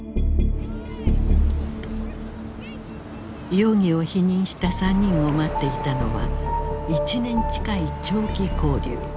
容疑を否認した３人を待っていたのは１年近い長期勾留。